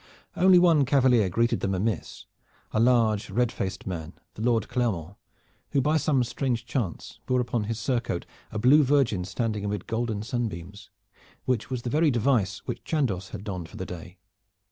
Only one cavalier greeted them amiss, a large, red faced man, the Lord Clermont, who by some strange chance bore upon his surcoat a blue virgin standing amid golden sunbeams, which was the very device which Chandos had donned for the day.